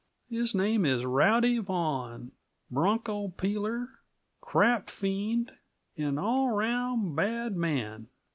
"His name is Rowdy Vaughan bronco peeler, crap fiend, and all round bad man.